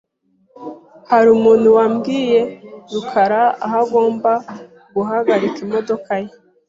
Hari umuntu wabwiye rukara aho agomba guhagarika imodoka ye?